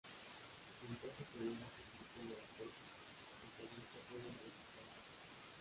En casos severos, este tipo de acidosis metabólica puede resultar fatal.